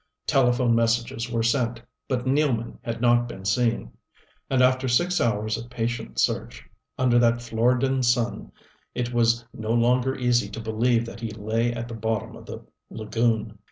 Telephone messages were sent, but Nealman had not been seen. And after six hours of patient search, under that Floridan sun, it was no longer easy to believe that he lay at the bottom of the lagoon.